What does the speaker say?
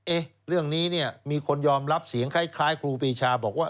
เอ๊ะเรื่องนี้เนี่ยมีคนยอมรับเสียงคล้ายครูปีชาบอกว่า